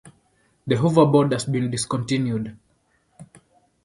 The hoverboard has been discontinued.